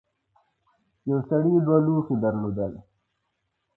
یو سړي دوه لوښي درلودل.